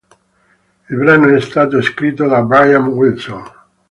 Il brano è stato scritto da Brian Wilson.